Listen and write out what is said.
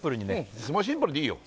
もうシンプルでいいよ